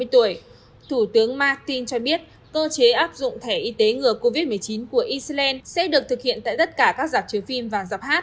thủ tướng martin cho biết cơ chế áp dụng thẻ y tế ngừa covid một mươi chín của iceland sẽ được thực hiện tại tất cả các giảm chứa phim và giảm hát